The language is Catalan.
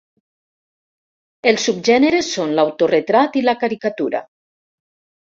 Els subgèneres són l'autoretrat i la caricatura.